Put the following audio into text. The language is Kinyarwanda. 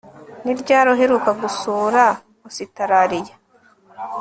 Ni ryari uheruka gusura Ositaraliya